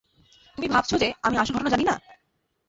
তুমি ভাবছ যে, আমি আসল ঘটনা জানি না?